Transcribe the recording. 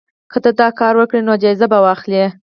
که ته دا کار وکړې نو جایزه به واخلې.